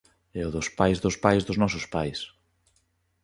E o dos pais dos pais dos nosos pais.